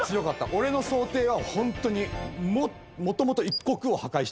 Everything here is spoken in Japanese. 俺の想定は本当にもともと。